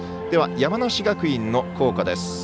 では山梨学院の校歌です。